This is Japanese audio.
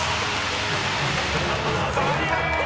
［残念！